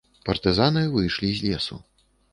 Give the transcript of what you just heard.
Партызаны выйшлі з лесу.